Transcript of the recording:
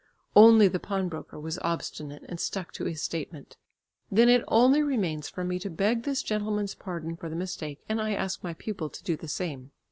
Only the pawnbroker was obstinate and stuck to his statement. "Then it only remains for me to beg this gentleman's pardon for the mistake, and I ask my pupil to do the same."